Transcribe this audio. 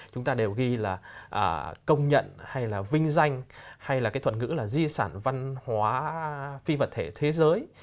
chúng ta đều ghi là công nhận hay là vinh danh hay là cái thuật ngữ là di sản văn hóa phi vật thể thế giới